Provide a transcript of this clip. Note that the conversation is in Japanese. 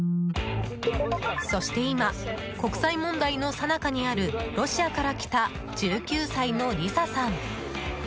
そして今、国際問題の最中にあるロシアから来た１９歳のリサさん。